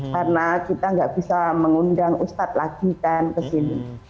karena kita nggak bisa mengundang ustad lagi kan ke sini